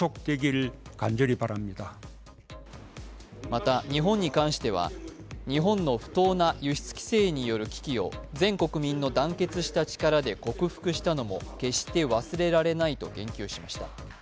また、日本に関しては日本の不当な輸出規制による危機を全国民の団結した力で克服したのも決して忘れられないと言及しました。